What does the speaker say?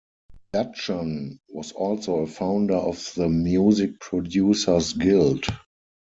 Dudgeon was also a founder of the Music Producers Guild.